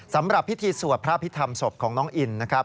สำหรับพิธีสวพระพิธรรมศพของน้องอิน